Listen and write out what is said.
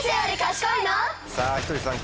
さぁひとりさん